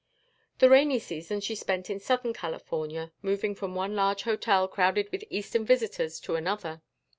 The rainy season she spent in Southern California, moving from one large hotel crowded with Eastern visitors to another.